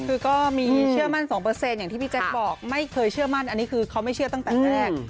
คือก็มีเชื่อมั่น๒อย่างที่พี่แจ๊คบอกไม่เคยเชื่อมั่นอันนี้คือเขาไม่เชื่อตั้งแต่แรก